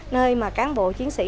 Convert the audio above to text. nơi mà cán bộ chiến sĩ